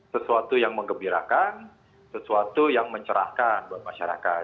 sesuatu yang mengembirakan sesuatu yang mencerahkan buat masyarakat